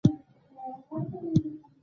بشري پانګې باندې پانګونه کوي.